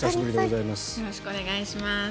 よろしくお願いします。